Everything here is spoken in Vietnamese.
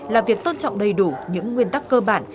là việc tôn trọng đầy đủ những nguyên tắc cơ bản